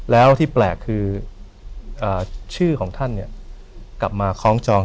แล้วที่แปลกคือชื่อของท่านกลับมาคล้องจอง